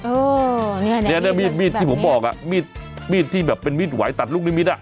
โอ้นี่นี่มีดมีดที่ผมบอกมีดที่แบบเป็นมีดหวายตัดลูกนิ้มมิตร